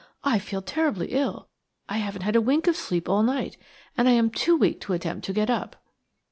I feel terribly ill. I haven't had a wink of sleep all night, and I am too weak to attempt to get up."